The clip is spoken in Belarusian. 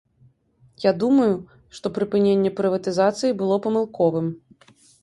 Я думаю, што прыпыненне прыватызацыі было памылковым.